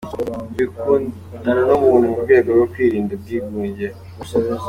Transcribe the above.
Wikundana n’umuntu mu rwego rwo kwirinda ubwigunge.